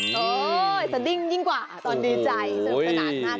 โอ้โฮสดิ้งยิ่งกว่าตอนดีใจสนุกสนาน